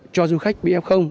cho du khách bị f